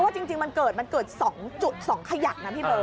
ใช่เพราะว่าจริงมันเกิด๒จุด๒ขยะนะพี่เบิ้ล